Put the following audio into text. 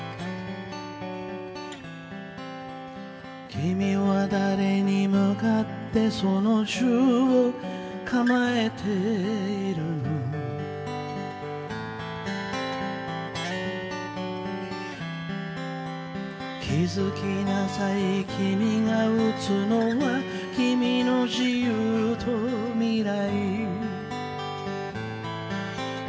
「君は誰に向かってその銃を構えているの」「気づきなさい君が撃つのは君の自由と未来」